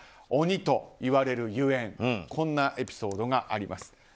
鬼といわれるゆえんこんなエピソードがあります。